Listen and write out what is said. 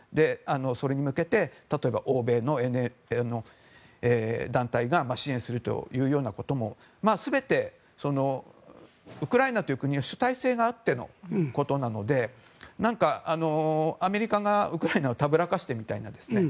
それに向けて、例えば欧米の団体が支援するというようなことも全て、ウクライナという国の主体性があってのことなので何か、アメリカがウクライナをたぶらかせてみたいなね。